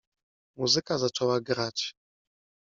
Muzyka zaczęła grać.